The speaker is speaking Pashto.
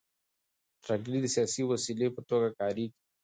ترهګري د سیاسي وسیلې په توګه کارېږي.